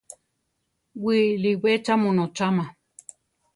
Wiʼlibé cha mu nocháma?